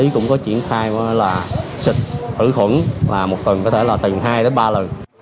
cũng có triển khai sịch thử khuẩn và một tuần có thể là từng hai ba lần